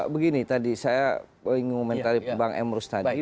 begini tadi saya ingin mengomentari bang emrus tadi